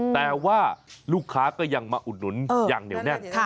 แต่ว่าลูกค้าก็ยังมาอุดหนุนอย่างเหนียวแน่น